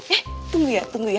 ya tunggu ya tunggu ya